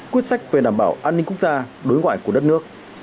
quyết sách về đảm bảo an ninh quốc gia đối ngoại của đất nước